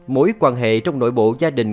mối quan hệ trong nội bộ gia đình